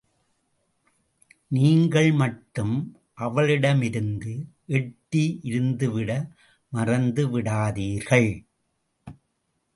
நீங்கள் மட்டும் அவளிடமிருந்து எட்டி இருந்துவிட மறந்துவிடாதீர்கள்.